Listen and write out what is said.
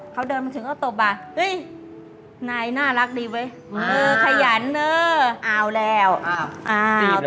เขาเดินมาถึงก็ตบว่าเฮ้ยนายน่ารักดีเว้ยเออขยันเนอะเอาแล้ว